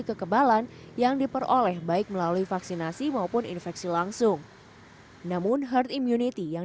kekebalan yang diperoleh baik melalui vaksinasi maupun infeksi langsung namun herd immunity yang